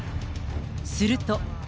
すると。